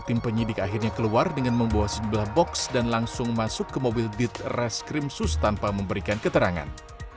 tim penyidik akhirnya keluar dengan membawa sejumlah box dan langsung masuk ke mobil dit reskrimsus tanpa memberikan keterangan